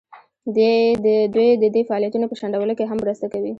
دوی د دې فعالیتونو په شنډولو کې هم مرسته کوي.